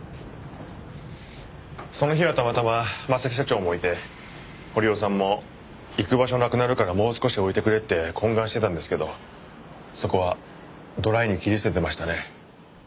その日はたまたま征木社長もいて堀尾さんも行く場所なくなるからもう少し置いてくれって懇願してたんですけどそこはドライに切り捨ててましたね。